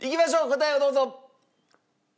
答えをどうぞ！